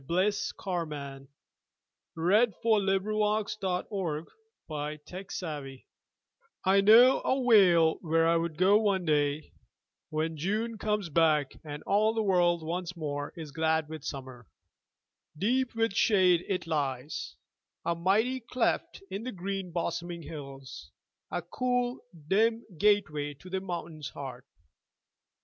Scribner's Hermann Hagedorn A Mountain Gateway I know a vale where I would go one day, When June comes back and all the world once more Is glad with summer. Deep with shade it lies, A mighty cleft in the green bosoming hills, A cool, dim gateway to the mountain's heart.